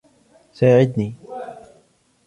ساعدني!